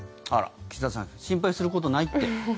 岸田さん心配することないって。